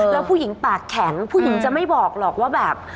แล้วผู้หญิงปากแข็งผู้หญิงจะไม่บอกหรอกว่าแบบ